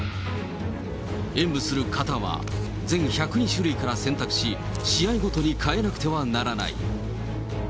演舞する形は、全１０２種類から選択し、試合ごとに変えなくてはならない。